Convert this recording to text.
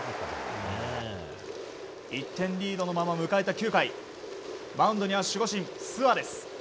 １点リードのまま迎えた９回マウンドには守護神、スアレス。